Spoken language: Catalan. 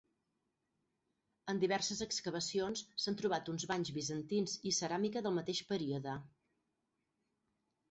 En diverses excavacions s'han trobat uns banys bizantins i ceràmica del mateix període.